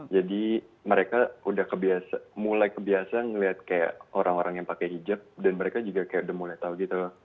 jadi mereka udah kebiasa mulai kebiasa ngelihat kayak orang orang yang pakai hijab dan mereka juga kayak udah mulai tahu gitu